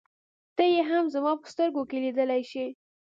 ته يې هم زما په سترګو کې لیدلای شې.